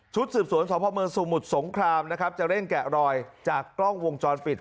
ชุดสืบสวนสมมติสงครามนะครับจะเล่นแกะรอยจากกล้องวงจรปิด